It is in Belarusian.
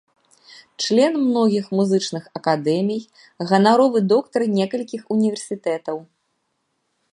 Член многіх музычных акадэмій, ганаровы доктар некалькіх універсітэтаў.